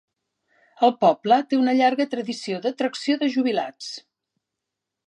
El poble té una llarga tradició d'atracció de "jubilats".